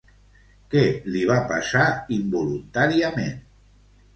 Què li va passar, involuntàriament?